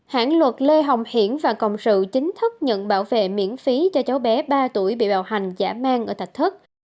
hãng luật lê hồng hiển và cộng sự chính thức nhận bảo vệ miễn phí cho cháu bé ba tuổi bị bạo hành giả mang ở thạch thất